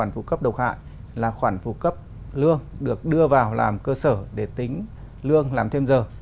khoản phụ cấp độc hại là khoản phụ cấp lương được đưa vào làm cơ sở để tính lương làm thêm giờ